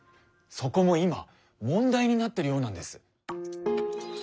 そこも今問題になってるようなんです。